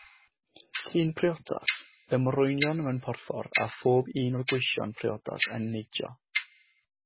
Llun priodas, y morwynion mewn porffor, a phob un o'r gweision priodas yn neidio.